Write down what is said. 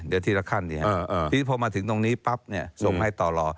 เดี๋ยวทีละขั้นพอมาถึงตรงนี้ปั๊บส่งให้ต่อรอ